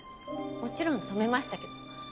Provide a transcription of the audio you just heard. もちろん止めましたけど。